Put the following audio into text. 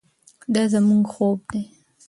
دا زموږ خوب دی.